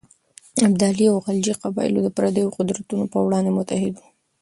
ابدالي او غلجي قبایل د پرديو قدرتونو پر وړاندې متحد وو.